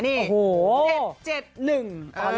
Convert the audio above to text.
เท็จเจ็ดหนึ่ง